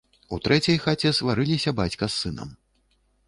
У трэцяй хаце сварыліся бацька з сынам.